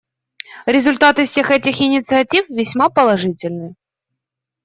Результаты всех этих инициатив весьма положительны.